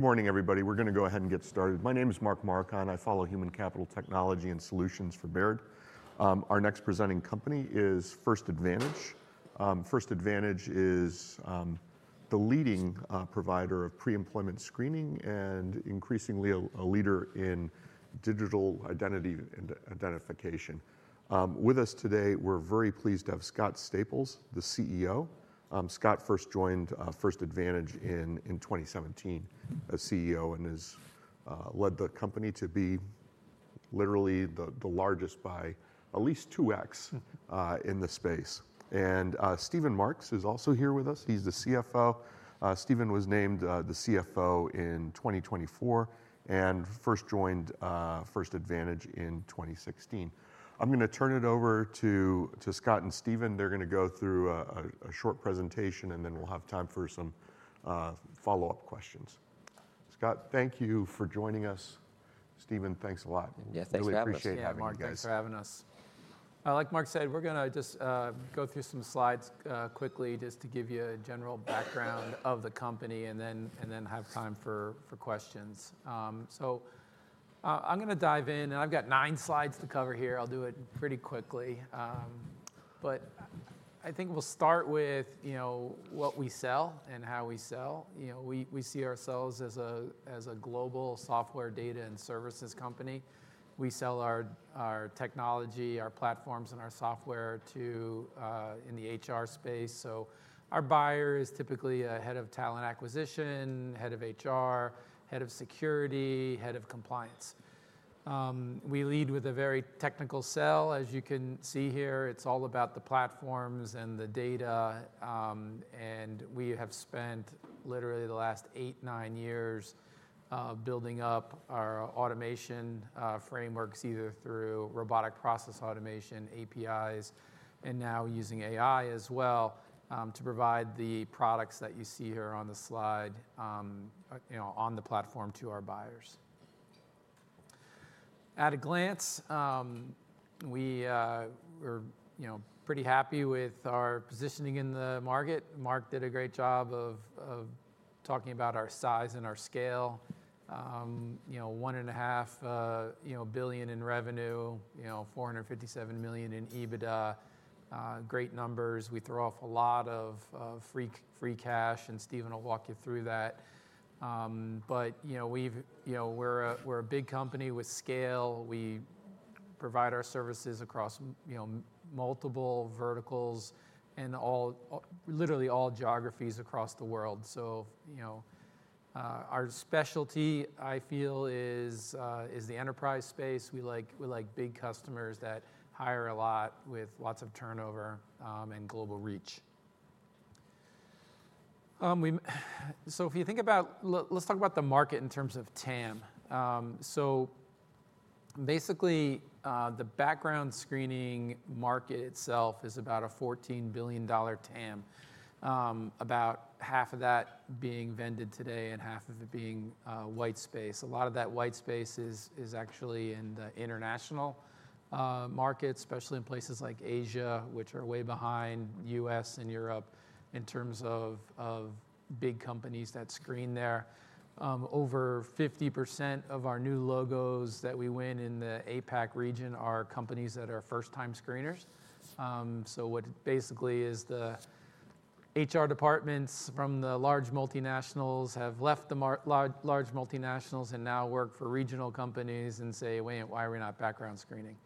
Morning, everybody. We're going to go ahead and get started. My name is Mark Marcon. I follow human capital technology and solutions for Baird. Our next presenting company is First Advantage. First Advantage is the leading provider of pre-employment screening and, increasingly, a leader in digital identity and identification. With us today, we're very pleased to have Scott Staples, the CEO. Scott first joined First Advantage in 2017 as CEO and has led the company to be literally the largest by at least 2X in the space. And Steven Marks is also here with us. He's the CFO. Steven was named the CFO in 2024 and first joined First Advantage in 2016. I'm going to turn it over to Scott and Steven. They're going to go through a short presentation, and then we'll have time for some follow-up questions. Scott, thank you for joining us. Steven, thanks a lot. Yeah, thanks very much. Thanks for having me, guys. Thanks for having us. Like Mark said, we're going to just go through some slides quickly just to give you a general background of the company and then have time for questions. I'm going to dive in, and I've got nine slides to cover here. I'll do it pretty quickly. I think we'll start with what we sell and how we sell. We see ourselves as a global software data and services company. We sell our technology, our platforms, and our software in the HR space. Our buyer is typically a head of talent acquisition, head of HR, head of security, head of compliance. We lead with a very technical sell. As you can see here, it's all about the platforms and the data. We have spent literally the last eight, nine years building up our automation frameworks either through robotic process automation, APIs, and now using AI as well to provide the products that you see here on the slide on the platform to our buyers. At a glance, we were pretty happy with our positioning in the market. Mark did a great job of talking about our size and our scale. $1.5 billion in revenue, $457 million in EBITDA. Great numbers. We throw off a lot of free cash, and Steven will walk you through that. We are a big company with scale. We provide our services across multiple verticals and literally all geographies across the world. Our specialty, I feel, is the enterprise space. We like big customers that hire a lot with lots of turnover and global reach. If you think about, let's talk about the market in terms of TAM. Basically, the background screening market itself is about a $14 billion TAM, about half of that being vended today and half of it being white space. A lot of that white space is actually in the international market, especially in places like Asia, which are way behind the U.S. and Europe in terms of big companies that screen there. Over 50% of our new logos that we win in the APAC region are companies that are first-time screeners. What basically is the HR departments from the large multinationals have left the large multinationals and now work for regional companies and say, "Wait, why are we not background screening?"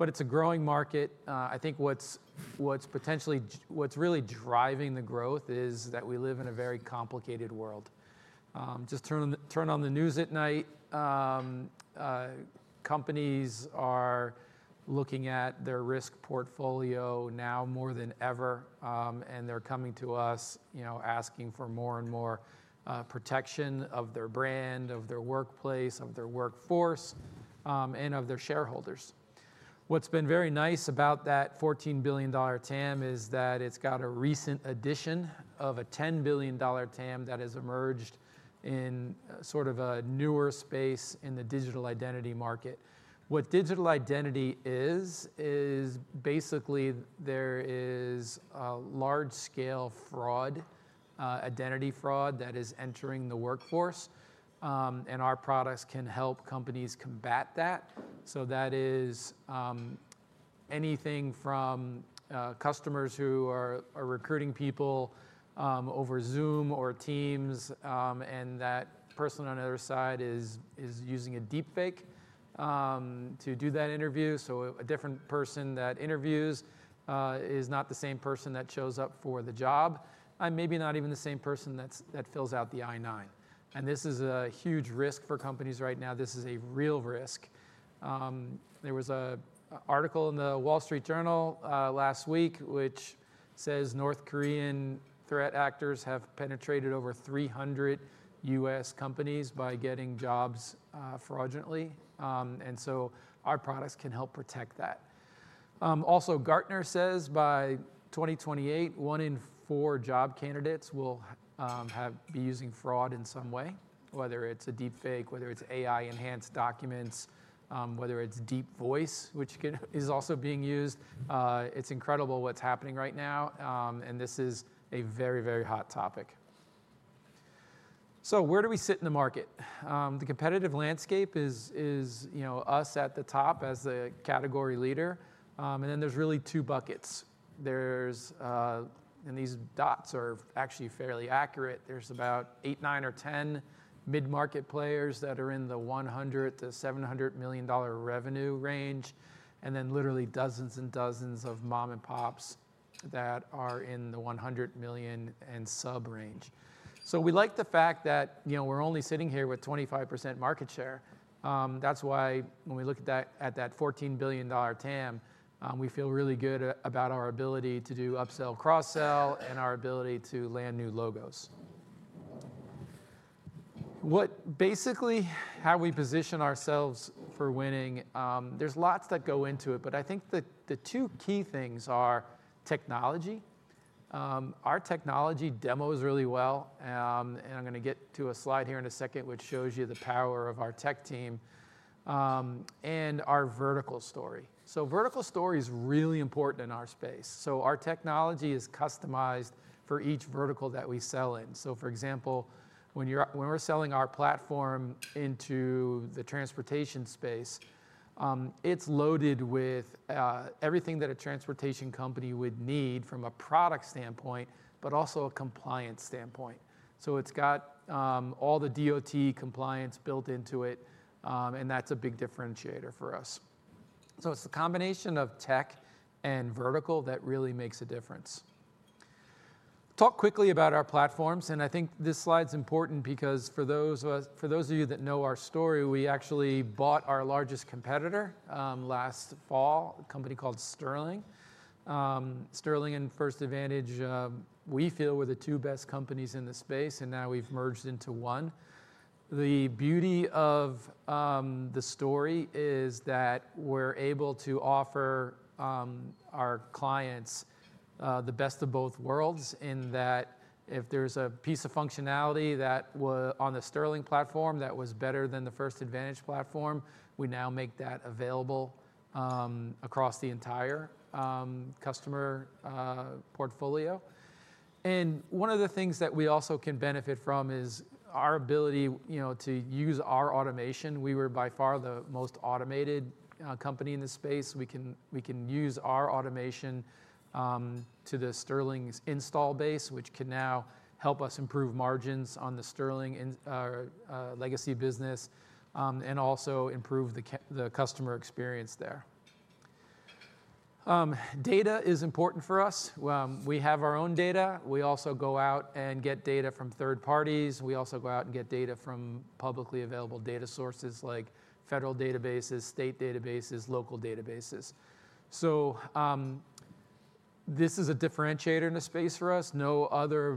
It's a growing market. I think what's really driving the growth is that we live in a very complicated world. Just turn on the news at night. Companies are looking at their risk portfolio now more than ever, and they're coming to us asking for more and more protection of their brand, of their workplace, of their workforce, and of their shareholders. What's been very nice about that $14 billion TAM is that it's got a recent addition of a $10 billion TAM that has emerged in sort of a newer space in the digital identity market. What digital identity is, is basically there is large-scale fraud, identity fraud that is entering the workforce. And our products can help companies combat that. That is anything from customers who are recruiting people over Zoom or Teams and that person on the other side is using a deepfake to do that interview. A different person that interviews is not the same person that shows up for the job and maybe not even the same person that fills out the I-9. This is a huge risk for companies right now. This is a real risk. There was an article in The Wall Street Journal last week which says North Korean threat actors have penetrated over 300 U.S. companies by getting jobs fraudulently. Our products can help protect that. Also, Gartner says by 2028, one in four job candidates will be using fraud in some way, whether it's a deepfake, whether it's AI-enhanced documents, whether it's deep voice, which is also being used. It's incredible what's happening right now, and this is a very, very hot topic. Where do we sit in the market? The competitive landscape is us at the top as the category leader. There are really two buckets. These dots are actually fairly accurate. There are about eight, nine, or ten mid-market players that are in the $100 million-$700 million revenue range, and then literally dozens and dozens of mom-and-pops that are in the $100 million and sub range. We like the fact that we are only sitting here with 25% market share. That is why when we look at that $14 billion TAM, we feel really good about our ability to do upsell, cross-sell, and our ability to land new logos. Basically, how we position ourselves for winning, there is a lot that goes into it, but I think the two key things are technology. Our technology demos really well. I am going to get to a slide here in a second which shows you the power of our tech team and our vertical story. Vertical story is really important in our space. Our technology is customized for each vertical that we sell in. For example, when we're selling our platform into the transportation space, it's loaded with everything that a transportation company would need from a product standpoint, but also a compliance standpoint. It's got all the DOT compliance built into it, and that's a big differentiator for us. It's the combination of tech and vertical that really makes a difference. Talk quickly about our platforms. I think this slide's important because for those of you that know our story, we actually bought our largest competitor last fall, a company called Sterling. Sterling and First Advantage, we feel, were the two best companies in the space, and now we've merged into one. The beauty of the story is that we're able to offer our clients the best of both worlds in that if there's a piece of functionality on the Sterling platform that was better than the First Advantage platform, we now make that available across the entire customer portfolio. One of the things that we also can benefit from is our ability to use our automation. We were by far the most automated company in the space. We can use our automation to the Sterling's install base, which can now help us improve margins on the Sterling legacy business and also improve the customer experience there. Data is important for us. We have our own data. We also go out and get data from third parties. We also go out and get data from publicly available data sources like federal databases, state databases, local databases. This is a differentiator in the space for us. No other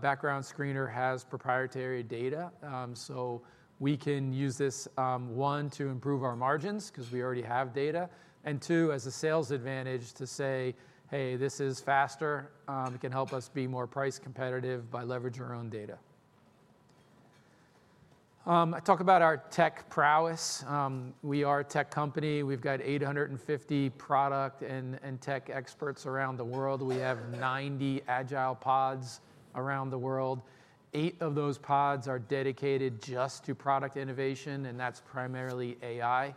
background screener has proprietary data. We can use this, one, to improve our margins because we already have data, and two, as a sales advantage to say, "Hey, this is faster. It can help us be more price competitive by leveraging our own data." I talk about our tech prowess. We are a tech company. We've got 850 product and tech experts around the world. We have 90 agile pods around the world. Eight of those pods are dedicated just to product innovation, and that's primarily AI.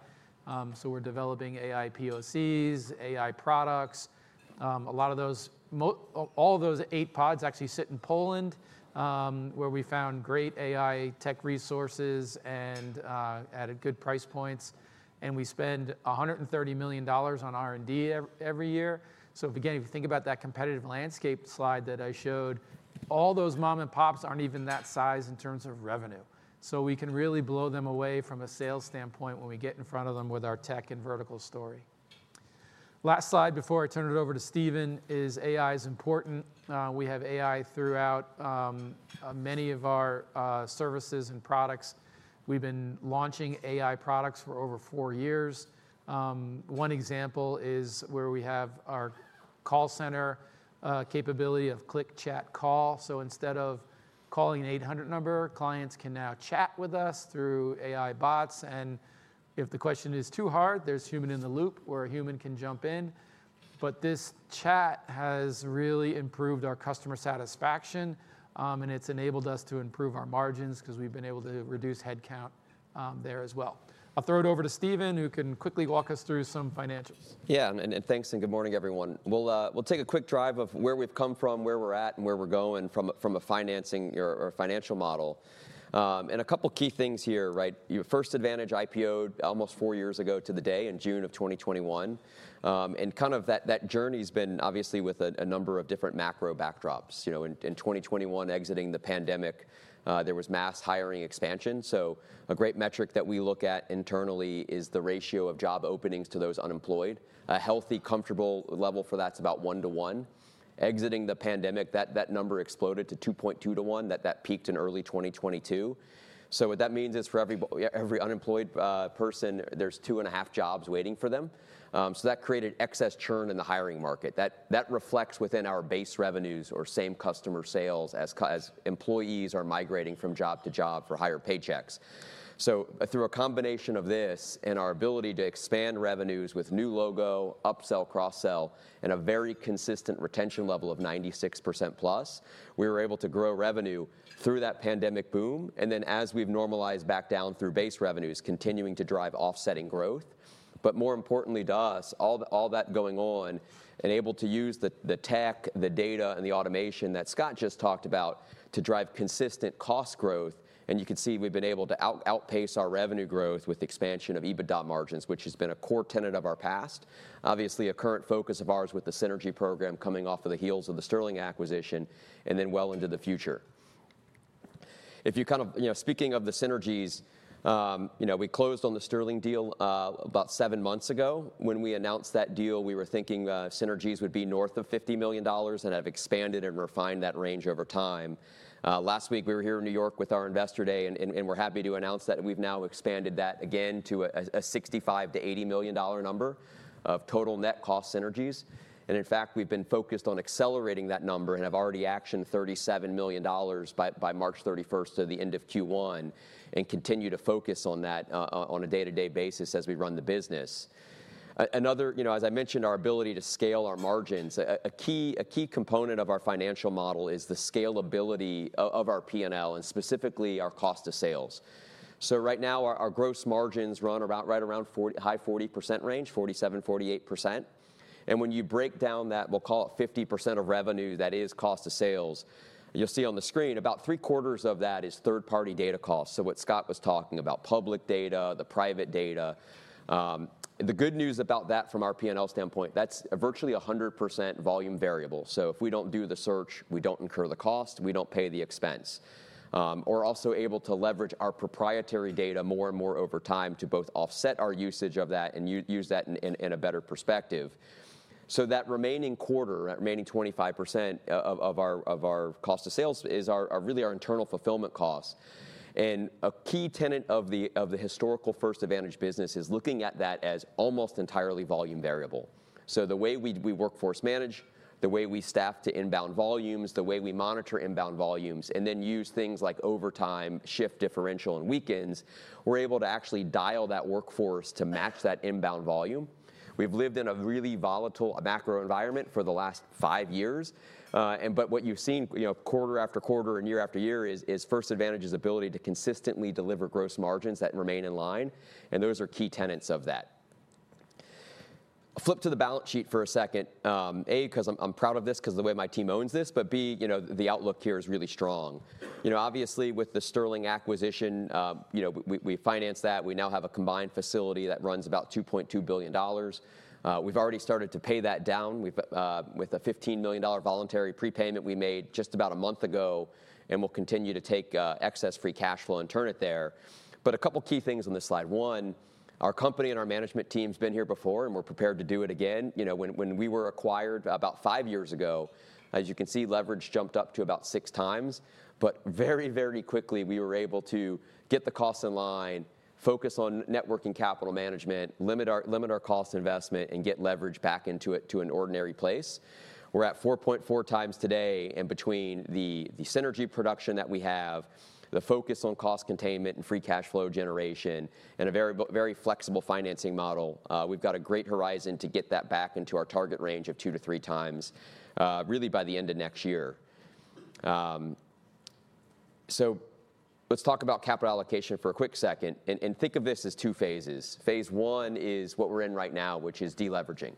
We're developing AI POCs, AI products. All of those eight pods actually sit in Poland, where we found great AI tech resources and at good price points. We spend $130 million on R&D every year. If you think about that competitive landscape slide that I showed, all those mom-and-pops are not even that size in terms of revenue. We can really blow them away from a sales standpoint when we get in front of them with our tech and vertical story. Last slide before I turn it over to Steven is AI is important. We have AI throughout many of our services and products. We have been launching AI products for over four years. One example is where we have our call center capability of Click Chat Call. Instead of calling an 800 number, clients can now chat with us through AI bots. If the question is too hard, there is human in the loop where a human can jump in. This chat has really improved our customer satisfaction, and it's enabled us to improve our margins because we've been able to reduce headcount there as well. I'll throw it over to Steven, who can quickly walk us through some financials. Yeah. Thanks and good morning, everyone. We'll take a quick drive of where we've come from, where we're at, and where we're going from a financing or financial model. A couple of key things here. First Advantage IPO'd almost four years ago to the day in June of 2021. That journey has been obviously with a number of different macro backdrops. In 2021, exiting the pandemic, there was mass hiring expansion. A great metric that we look at internally is the ratio of job openings to those unemployed. A healthy, comfortable level for that's about one-to-one. Exiting the pandemic, that number exploded to two point two to one. That peaked in early 2022. What that means is for every unemployed person, there's two and a half jobs waiting for them. That created excess churn in the hiring market. That reflects within our base revenues or same customer sales as employees are migrating from job to job for higher paychecks. Through a combination of this and our ability to expand revenues with new logo, upsell, cross-sell, and a very consistent retention level of 96%+, we were able to grow revenue through that pandemic boom. As we have normalized back down through base revenues, continuing to drive offsetting growth. More importantly to us, all that going on and able to use the tech, the data, and the automation that Scott just talked about to drive consistent cost growth. You can see we have been able to outpace our revenue growth with expansion of EBITDA margins, which has been a core tenet of our past. Obviously, a current focus of ours with the synergy program coming off of the heels of the Sterling acquisition and then well into the future. Speaking of the synergies, we closed on the Sterling deal about seven months ago. When we announced that deal, we were thinking synergies would be north of $50 million and have expanded and refined that range over time. Last week, we were here in New York with our investor day, and we're happy to announce that we've now expanded that again to a $65 million-$80 million number of total net cost synergies. In fact, we've been focused on accelerating that number and have already actioned $37 million by March 31st to the end of Q1 and continue to focus on that on a day-to-day basis as we run the business. As I mentioned, our ability to scale our margins, a key component of our financial model is the scalability of our P&L and specifically our cost of sales. Right now, our gross margins run right around high 40% range, 47%-48%. When you break down that, we'll call it 50% of revenue that is cost of sales, you'll see on the screen about three quarters of that is third-party data costs. What Scott was talking about, public data, the private data. The good news about that from our P&L standpoint, that's virtually 100% volume variable. If we do not do the search, we do not incur the cost. We do not pay the expense. We are also able to leverage our proprietary data more and more over time to both offset our usage of that and use that in a better perspective. That remaining quarter, that remaining 25% of our cost of sales is really our internal fulfillment costs. A key tenet of the historical First Advantage business is looking at that as almost entirely volume variable. The way we workforce manage, the way we staff to inbound volumes, the way we monitor inbound volumes, and then use things like overtime, shift differential, and weekends, we're able to actually dial that workforce to match that inbound volume. We've lived in a really volatile macro environment for the last five years. What you've seen quarter after quarter and year after year is First Advantage's ability to consistently deliver gross margins that remain in line. Those are key tenets of that. I'll flip to the balance sheet for a second. A, because I'm proud of this because of the way my team owns this, but B, the outlook here is really strong. Obviously, with the Sterling acquisition, we financed that. We now have a combined facility that runs about $2.2 billion. We've already started to pay that down with a $15 million voluntary prepayment we made just about a month ago, and we'll continue to take excess free cash flow and turn it there. A couple of key things on this slide. One, our company and our management team have been here before, and we're prepared to do it again. When we were acquired about five years ago, as you can see, leverage jumped up to about six times. Very, very quickly, we were able to get the cost in line, focus on networking capital management, limit our cost investment, and get leverage back into it to an ordinary place. We're at 4.4 times today and between the synergy production that we have, the focus on cost containment and free cash flow generation, and a very flexible financing model, we've got a great horizon to get that back into our target range of two to three times really by the end of next year. Let's talk about capital allocation for a quick second. Think of this as two phases. Phase one is what we're in right now, which is deleveraging.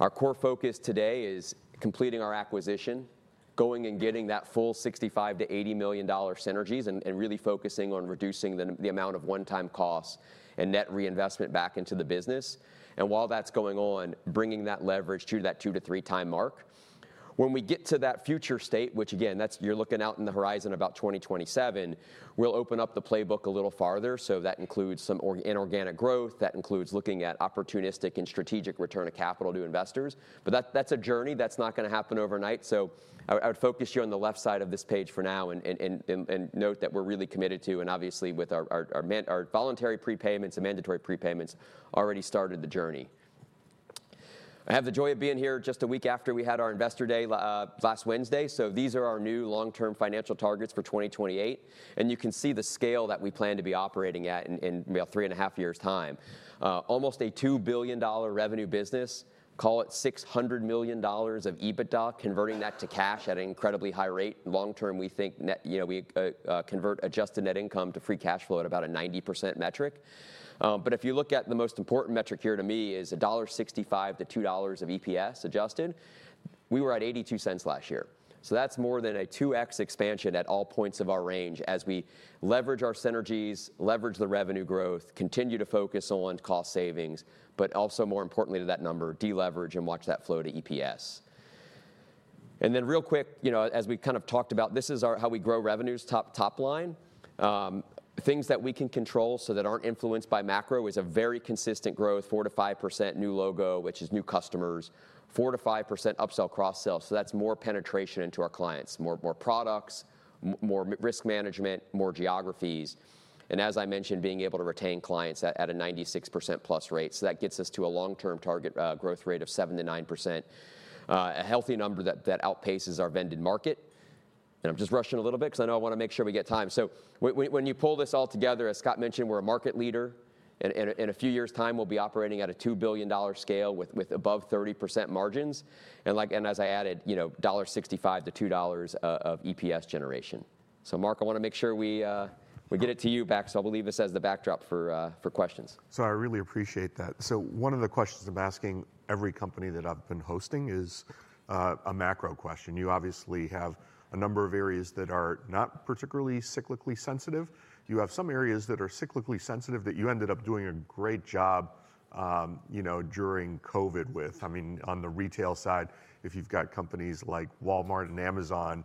Our core focus today is completing our acquisition, going and getting that full $65 million-$80 million synergies, and really focusing on reducing the amount of one-time costs and net reinvestment back into the business. While that's going on, bringing that leverage to that two to three-time mark. When we get to that future state, which again, you're looking out in the horizon about 2027, we'll open up the playbook a little farther. That includes some inorganic growth. That includes looking at opportunistic and strategic return of capital to investors. That's a journey that's not going to happen overnight. I would focus you on the left side of this page for now and note that we're really committed to, and obviously with our voluntary prepayments and mandatory prepayments, already started the journey. I have the joy of being here just a week after we had our investor day last Wednesday. These are our new long-term financial targets for 2028. You can see the scale that we plan to be operating at in about three and a half years' time. Almost a $2 billion revenue business, call it $600 million of EBITDA, converting that to cash at an incredibly high rate. Long term, we think we convert adjusted net income to free cash flow at about a 90% metric. If you look at the most important metric here to me, it is $1.65-$2 of EPS adjusted. We were at $0.82 last year. That is more than a 2x expansion at all points of our range as we leverage our synergies, leverage the revenue growth, continue to focus on cost savings, but also more importantly to that number, deleverage and watch that flow to EPS. Real quick, as we kind of talked about, this is how we grow revenues top line. Things that we can control that aren't influenced by macro is a very consistent growth, 4%-5% new logo, which is new customers, 4%-5% upsell, cross-sell. That is more penetration into our clients, more products, more risk management, more geographies. As I mentioned, being able to retain clients at a 96% plus rate. That gets us to a long-term target growth rate of 7%-9%, a healthy number that outpaces our vended market. I'm just rushing a little bit because I know I want to make sure we get time. When you pull this all together, as Scott mentioned, we're a market leader. In a few years' time, we'll be operating at a $2 billion scale with above 30% margins. As I added, $1.65-$2 of EPS generation. Mark, I want to make sure we get it to you back. I believe this has the backdrop for questions. I really appreciate that. One of the questions I'm asking every company that I've been hosting is a macro question. You obviously have a number of areas that are not particularly cyclically sensitive. You have some areas that are cyclically sensitive that you ended up doing a great job during COVID with. I mean, on the retail side, if you've got companies like Walmart and Amazon,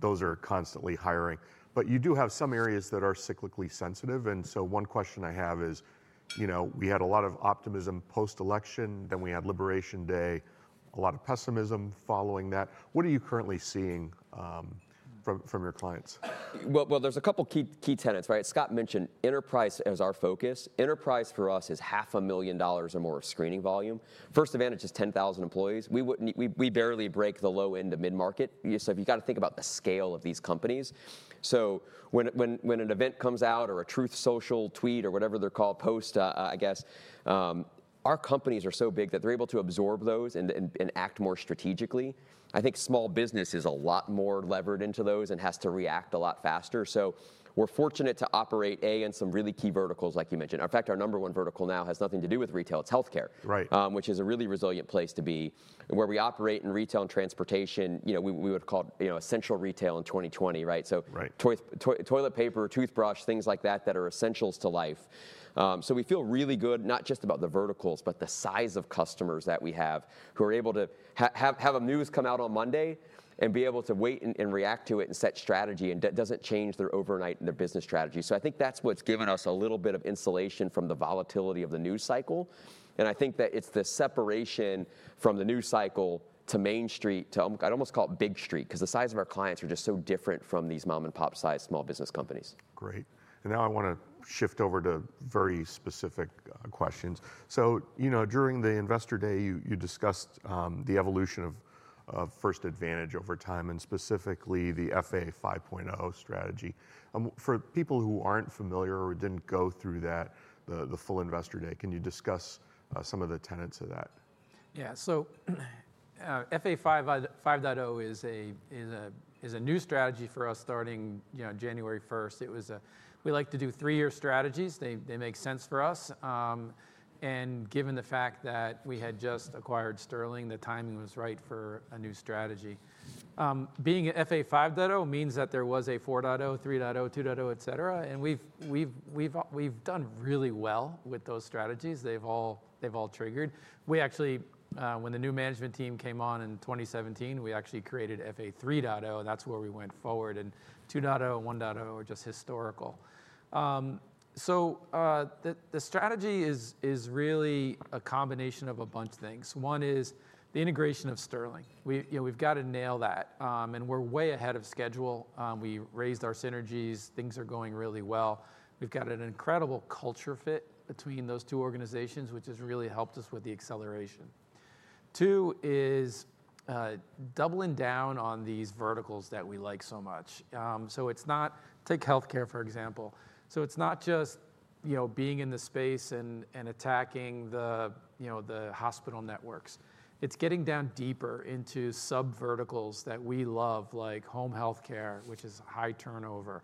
those are constantly hiring. You do have some areas that are cyclically sensitive. One question I have is we had a lot of optimism post-election, then we had Liberation Day, a lot of pessimism following that. What are you currently seeing from your clients? There are a couple of key tenets. Scott mentioned enterprise as our focus. Enterprise for us is $500,000 or more screening volume. First Advantage is 10,000 employees. We barely break the low end of mid-market. You have to think about the scale of these companies. When an event comes out or a Truth Social tweet or whatever they are called, post, I guess, our companies are so big that they are able to absorb those and act more strategically. I think small business is a lot more levered into those and has to react a lot faster. We are fortunate to operate in some really key verticals, like you mentioned. In fact, our number one vertical now has nothing to do with retail. It is healthcare, which is a really resilient place to be. Where we operate in retail and transportation, we would have called essential retail in 2020. Toilet paper, toothbrush, things like that that are essentials to life. We feel really good not just about the verticals, but the size of customers that we have who are able to have a news come out on Monday and be able to wait and react to it and set strategy and it does not change their overnight and their business strategy. I think that is what has given us a little bit of insulation from the volatility of the news cycle. I think that it is the separation from the news cycle to Main Street to I would almost call it Big Street because the size of our clients are just so different from these mom-and-pop sized small business companies. Great. I want to shift over to very specific questions. During the investor day, you discussed the evolution of First Advantage over time and specifically the FA5.0 strategy. For people who are not familiar or did not go through the full investor day, can you discuss some of the tenets of that? Yeah. FA5.0 is a new strategy for us starting January 1st. We like to do three-year strategies. They make sense for us. Given the fact that we had just acquired Sterling, the timing was right for a new strategy. Being FA5.0 means that there was a 4.0, 3.0, 2.0, et cetera. We have done really well with those strategies. They have all triggered. When the new management team came on in 2017, we actually created FA3.0, and that is where we went forward. 2.0 and 1.0 are just historical. The strategy is really a combination of a bunch of things. One is the integration of Sterling. We have to nail that. We are way ahead of schedule. We raised our synergies. Things are going really well. We have an incredible culture fit between those two organizations, which has really helped us with the acceleration. Two is doubling down on these verticals that we like so much. Take healthcare, for example. It's not just being in the space and attacking the hospital networks. It's getting down deeper into subverticals that we love, like home healthcare, which is high turnover,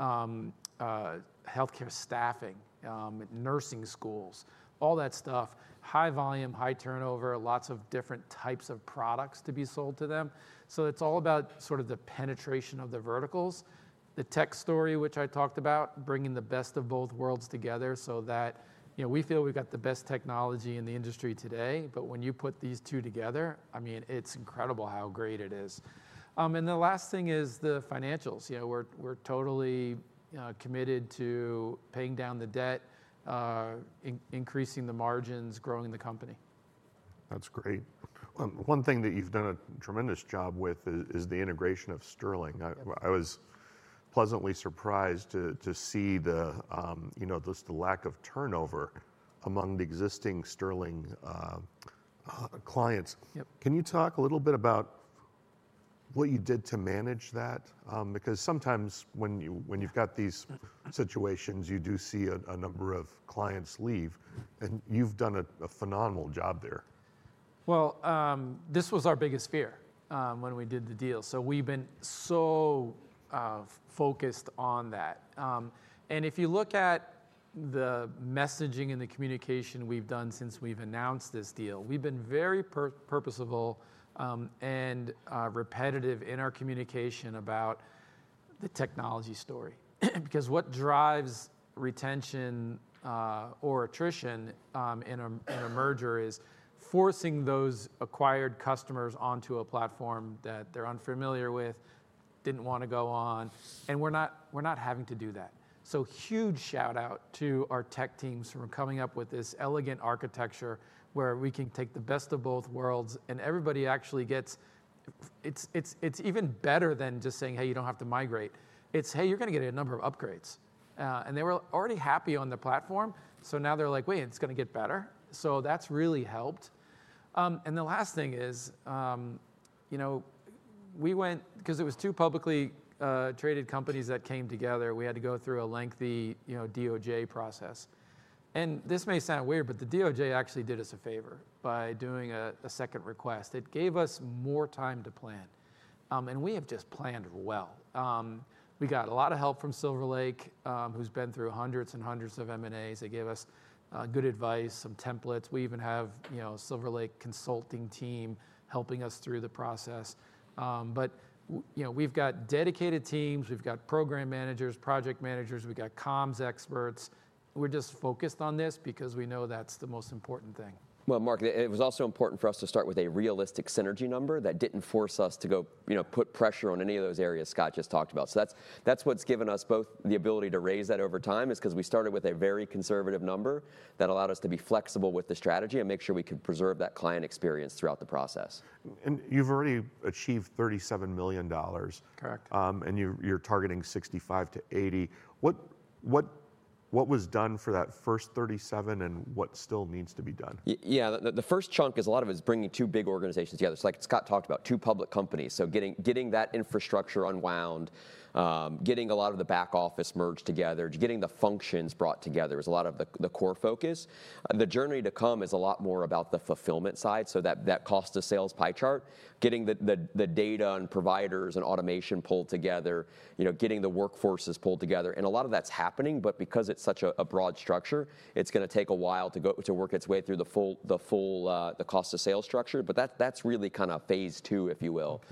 healthcare staffing, nursing schools, all that stuff, high volume, high turnover, lots of different types of products to be sold to them. It's all about sort of the penetration of the verticals, the tech story, which I talked about, bringing the best of both worlds together so that we feel we've got the best technology in the industry today. When you put these two together, I mean, it's incredible how great it is. The last thing is the financials. We're totally committed to paying down the debt, increasing the margins, growing the company. That's great. One thing that you've done a tremendous job with is the integration of Sterling. I was pleasantly surprised to see the lack of turnover among the existing Sterling clients. Can you talk a little bit about what you did to manage that? Because sometimes when you've got these situations, you do see a number of clients leave. You've done a phenomenal job there. This was our biggest fear when we did the deal. We have been so focused on that. If you look at the messaging and the communication we have done since we announced this deal, we have been very purposeful and repetitive in our communication about the technology story. What drives retention or attrition in a merger is forcing those acquired customers onto a platform that they are unfamiliar with, did not want to go on. We are not having to do that. Huge shout-out to our tech teams for coming up with this elegant architecture where we can take the best of both worlds. Everybody actually gets it is even better than just saying, "Hey, you do not have to migrate." It is, "Hey, you are going to get a number of upgrades." They were already happy on the platform. Now they're like, "Wait, it's going to get better." That's really helped. The last thing is we went because it was two publicly traded companies that came together. We had to go through a lengthy DOJ process. This may sound weird, but the DOJ actually did us a favor by doing a second request. It gave us more time to plan. We have just planned well. We got a lot of help from Silver Lake, who's been through hundreds and hundreds of M&As. They gave us good advice, some templates. We even have Silver Lake consulting team helping us through the process. We've got dedicated teams. We've got program managers, project managers. We've got comms experts. We're just focused on this because we know that's the most important thing. Mark, it was also important for us to start with a realistic synergy number that did not force us to go put pressure on any of those areas Scott just talked about. That is what has given us both the ability to raise that over time, because we started with a very conservative number that allowed us to be flexible with the strategy and make sure we could preserve that client experience throughout the process. You've already achieved $37 million. Correct. You're targeting $65 million-$80 million. What was done for that first $37 million and what still needs to be done? Yeah. The first chunk is a lot of it is bringing two big organizations together. It's like Scott talked about, two public companies. Getting that infrastructure unwound, getting a lot of the back office merged together, getting the functions brought together is a lot of the core focus. The journey to come is a lot more about the fulfillment side. That cost-to-sales pie chart, getting the data and providers and automation pulled together, getting the workforces pulled together. A lot of that's happening. Because it's such a broad structure, it's going to take a while to work its way through the full cost-to-sales structure. That's really kind of phase two, if you will.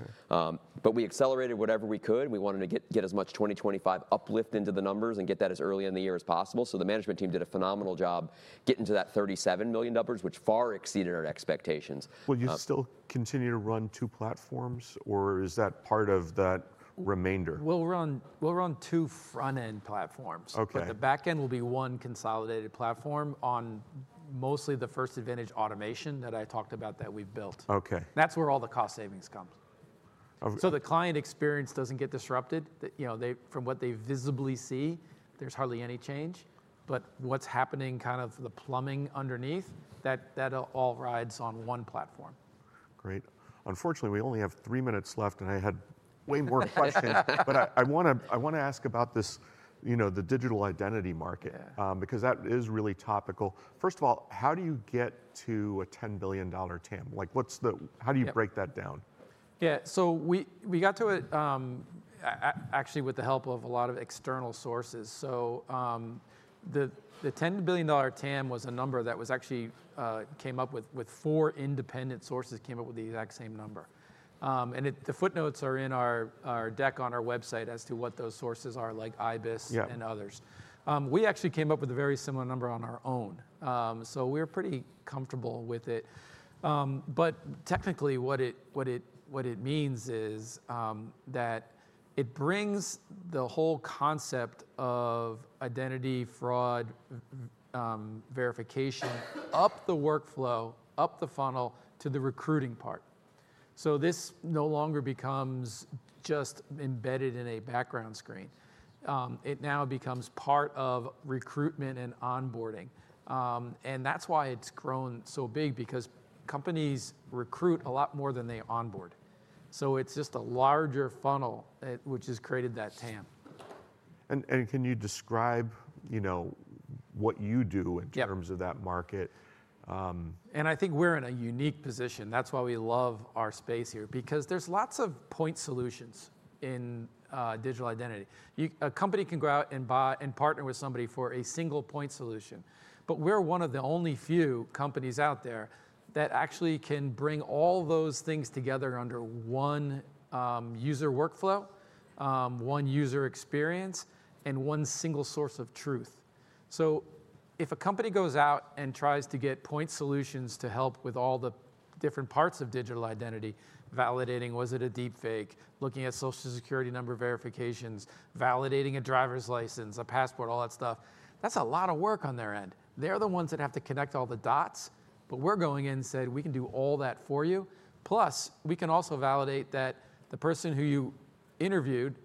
We accelerated whatever we could. We wanted to get as much 2025 uplift into the numbers and get that as early in the year as possible. The management team did a phenomenal job getting to that $37 million, which far exceeded our expectations. Will you still continue to run two platforms, or is that part of that remainder? We'll run two front-end platforms. The back-end will be one consolidated platform on mostly the First Advantage automation that I talked about that we've built. That's where all the cost savings come. The client experience doesn't get disrupted. From what they visibly see, there's hardly any change. What's happening, kind of the plumbing underneath, that all rides on one platform. Great. Unfortunately, we only have three minutes left, and I had way more questions. I want to ask about the digital identity market because that is really topical. First of all, how do you get to a $10 billion TAM? How do you break that down? Yeah. So we got to it actually with the help of a lot of external sources. The $10 billion TAM was a number that actually came up with four independent sources came up with the exact same number. The footnotes are in our deck on our website as to what those sources are like IBISWorld and others. We actually came up with a very similar number on our own. We're pretty comfortable with it. Technically, what it means is that it brings the whole concept of identity, fraud, verification up the workflow, up the funnel to the recruiting part. This no longer becomes just embedded in a background screen. It now becomes part of recruitment and onboarding. That is why it's grown so big because companies recruit a lot more than they onboard. It's just a larger funnel, which has created that TAM. Can you describe what you do in terms of that market? I think we're in a unique position. That's why we love our space here because there's lots of point solutions in digital identity. A company can go out and partner with somebody for a single point solution. We're one of the only few companies out there that actually can bring all those things together under one user workflow, one user experience, and one single source of truth. If a company goes out and tries to get point solutions to help with all the different parts of digital identity, validating was it a deepfake, looking at Social Security number verifications, validating a driver's license, a passport, all that stuff, that's a lot of work on their end. They're the ones that have to connect all the dots. We are going in and said, "We can do all that for you." Plus, we can also validate that the person who you interviewed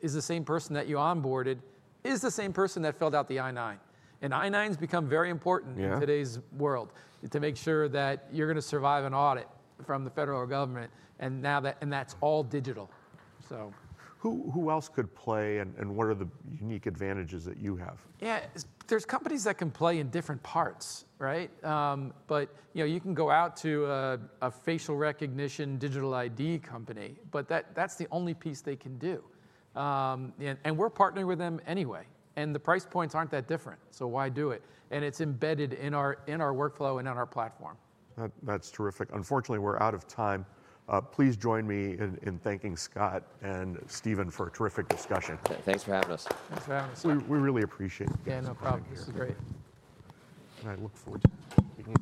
is the same person that you onboarded, is the same person that filled out the I-9. And I-9s become very important in today's world to make sure that you're going to survive an audit from the federal government. That is all digital. Who else could play and what are the unique advantages that you have? Yeah. There are companies that can play in different parts. You can go out to a facial recognition digital ID company. That is the only piece they can do. We are partnering with them anyway. The price points are not that different. Why do it? It is embedded in our workflow and on our platform. That's terrific. Unfortunately, we're out of time. Please join me in thanking Scott and Steven for a terrific discussion. Thanks for having us. We really appreciate it. Yeah, no problem. This is great. I look forward to it.